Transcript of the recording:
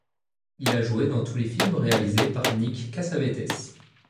Il a joué dans tous les films réalisés par Nick Cassavetes.